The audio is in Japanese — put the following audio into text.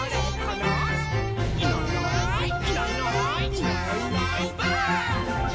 「いないいないばあっ！」